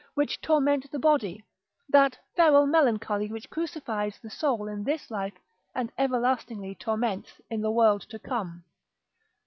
which torment the body, that feral melancholy which crucifies the soul in this life, and everlastingly torments in the world to come.